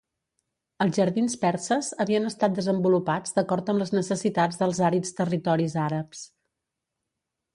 Els jardins perses havien estat desenvolupats d'acord amb les necessitats dels àrids territoris àrabs.